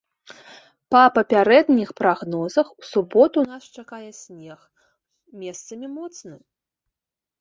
Па папярэдніх прагнозах у суботу нас чакае снег, месцамі моцны.